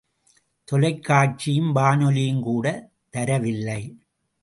தொலைக் காட்சியும் வானொலியும் கூட தரவில்லை.